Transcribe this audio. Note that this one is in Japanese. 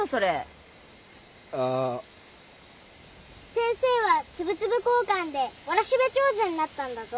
先生はつぶつぶこーかんでわらしべ長者になったんだぞ。